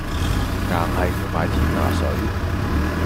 硬係要買天拿水